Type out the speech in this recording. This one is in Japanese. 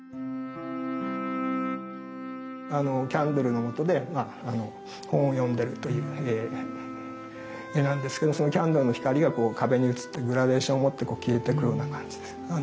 キャンドルの下で本を読んでるという絵なんですけどそのキャンドルの光がこう壁に映ってグラデーションをもって消えてくような感じです。